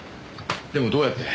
でもどうやって？